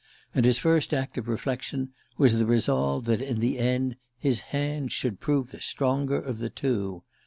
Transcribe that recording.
And his first act of reflection was the resolve that, in the end, his hand should prove the stronger of the two.